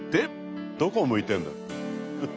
どこ向いてるんだよ。